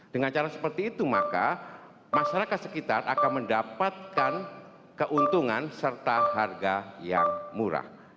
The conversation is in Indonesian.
dengan cara seperti itu maka masyarakat sekitar akan mendapatkan keuntungan serta harga yang murah